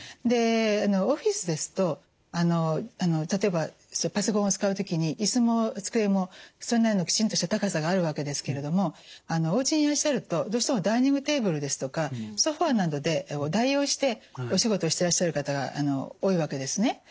でオフィスですと例えばパソコンを使う時に椅子も机もそれなりのきちんとした高さがあるわけですけれどもおうちにいらしゃるとどうしてもダイニングテーブルですとかソファーなどで代用してお仕事してらっしゃる方が多いわけですね。